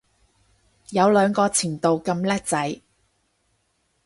有兩個前度咁叻仔